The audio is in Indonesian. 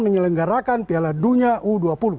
menyelenggarakan piala dunia u dua puluh